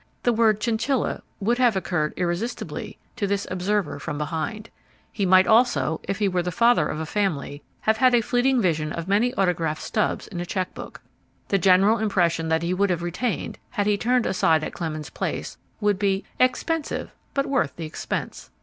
The word chinchilla would have occurred irresistibly to this observer from behind; he might also, if he were the father of a family, have had a fleeting vision of many autographed stubs in a check book. The general impression that he would have retained, had he turned aside at Clemens Place, would be "expensive, but worth the expense."